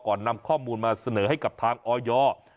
ก่อนนำข้อมูลมาเสนอให้กับทางออยอเพื่ออะไร